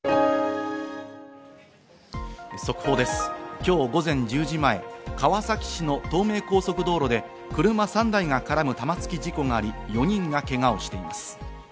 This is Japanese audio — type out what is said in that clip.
今日午前１０時前、川崎市の東名高速道路で車３台が絡む玉突き事故があり、４人がけがをしています。